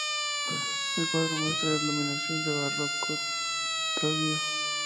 El cuadro muestra la iluminación del Barroco tardío.